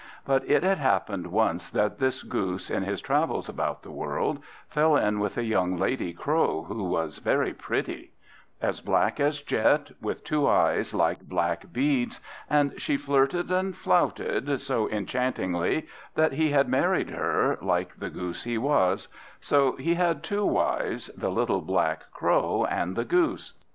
But it had happened once that this Goose, in his travels about the world, fell in with a young lady Crow, who was very pretty; as black as jet, with two eyes like black beads, and she flirted and flouted so enchantingly that he had married her, like the goose he was; so he had two wives, the little black Crow and the Goose.